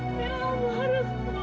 mira kamu harus pulang